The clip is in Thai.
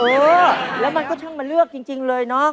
เออแล้วมันก็ช่างมาเลือกจริงเลยเนอะ